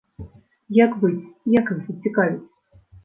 Як быць, як іх зацікавіць?